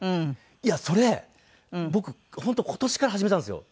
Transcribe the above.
いやそれ僕本当今年から始めたんですよ